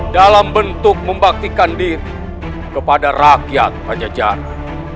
dalam bentuk membaktikan diri kepada rakyat pajajaran